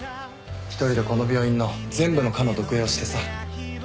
１人でこの病院の全部の科の読影をしてさ